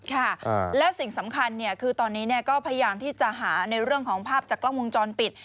ค่ะและสิ่งสำคัญคือตอนนี้ก็พยายามที่จะหาในเรื่องของภาพจากกล้องวงจรปิด